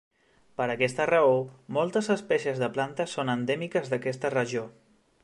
Per aquesta raó, moltes espècies de plantes són endèmiques d'aquesta regió.